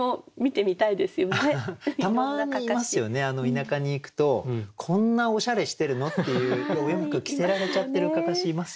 田舎に行くとこんなおしゃれしてるの？っていうお洋服着せられちゃってる案山子いますよね。